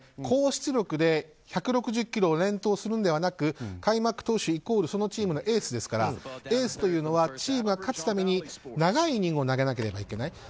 高出力で１６０キロを連投するのではなく開幕投手イコールそのチームのエースですからエースというのはチームが勝つために長いイニングを投げなければいけない。